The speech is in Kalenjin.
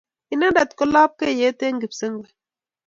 Inendet ko Lapkeiyet, eng Kipsengwet